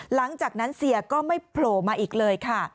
หลังจากนั้นเสียก็ไม่โผล่มาอีกเลยค่ะ